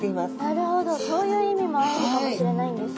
なるほどそういう意味もあるかもしれないんですね。